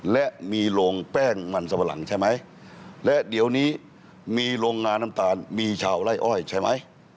และมีโรงแป้งมันสปะหลังใช่ไหมและเดี๋ยวนี้มีโรงงานน้ำตาลมีชาวไล่อ้อยใช่ไหม